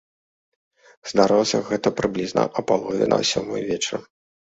Здарылася гэта прыблізна а палове на сёмую вечара.